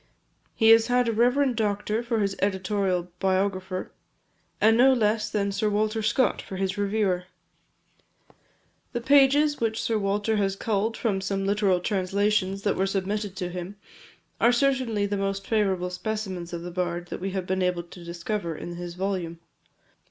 He has had a reverend doctor for his editorial biographer, and no less than Sir Walter Scott for his reviewer. The passages which Sir Walter has culled from some literal translations that were submitted to him, are certainly the most favourable specimens of the bard that we have been able to discover in his volume.